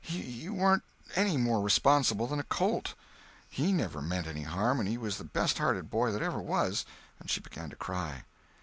He warn't any more responsible than a colt. He never meant any harm, and he was the best hearted boy that ever was"—and she began to cry.